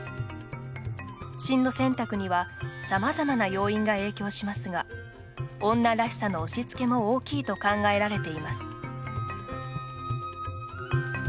進路選択にはさまざまな要因が影響しますが女らしさの押しつけも大きいと考えられています。